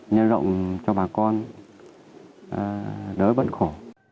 nhân rộng cho bà con đỡ bận khổ